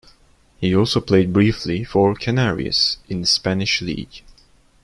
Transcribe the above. He also played briefly for Canarias in the Spanish league.